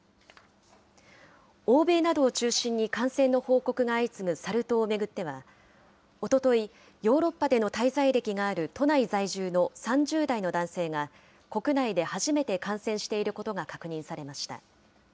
欧米などを中心に感染の報告が相次ぐサル痘を巡っては、おととい、ヨーロッパでの滞在歴がある都内在住の３０代の男性が、国内で初めて感染していることが確認されました。